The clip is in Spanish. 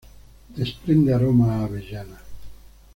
Desprende aroma a avellana.